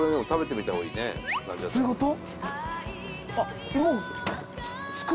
どういうこと？